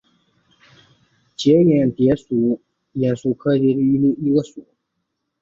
结眼蝶属是眼蝶亚科眼蝶族珍眼蝶亚族中的一个属。